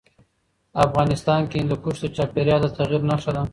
افغانستان کې هندوکش د چاپېریال د تغیر نښه ده.